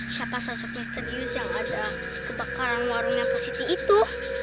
siapa sosok misterius yang ada kebakaran warung yang positif itu